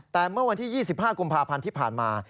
แต่เมื่อวันที่๒๕กุมภาพันธ์ที่ผ่านมา